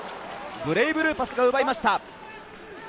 ブレイブルーパスが奪いました。